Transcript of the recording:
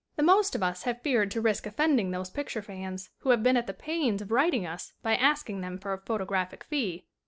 The most of us have feared to risk offending those picture fans who have been at the pains of writing us by asking them for a photo graphic fee.